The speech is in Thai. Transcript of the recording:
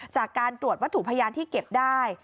จากการตรวจวัตถุพยานที่เก็บได้